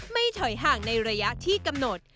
ไม่ถอยห่างในระยะที่กำหนด